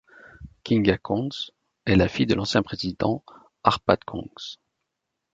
Kinga Göncz est la fille de l'ancien président Árpád Göncz.